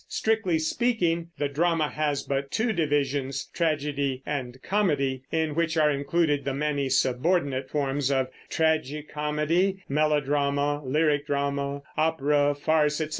Strictly speaking the drama has but two divisions, tragedy and comedy, in which are included the many subordinate forms of tragi comedy, melodrama, lyric drama (opera), farce, etc.